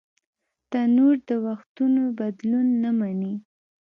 تنور د وختونو بدلون نهمني